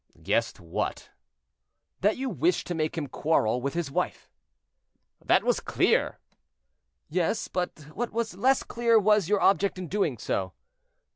"Guessed what?" "That you wished to make him quarrel with his wife." "That was clear." "Yes; but what was less clear was your object in doing so."